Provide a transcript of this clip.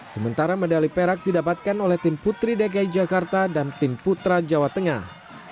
sementara medali perak didapatkan oleh tim putri dki jakarta dan tim putra jawa tengah